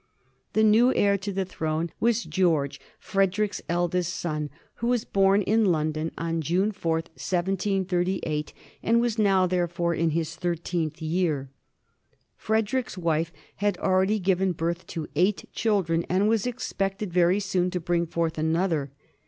The new heir to the throne was George, Frederick's eldest son, who was born in London on June 4, 1738, and was now, therefore, in his thirteenth year. Frederick's wife had already given birth to eight children, and was expected very soon to bring forth another.